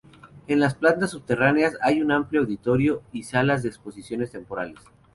En las plantas subterráneas hay un amplio auditorio y salas de exposiciones temporales.